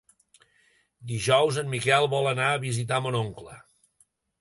Dijous en Miquel vol anar a visitar mon oncle.